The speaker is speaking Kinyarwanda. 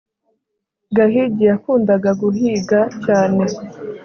gahigi yakundaga guhiga cyane